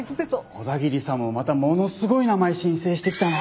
小田切さんもまたものすごい名前申請してきたな！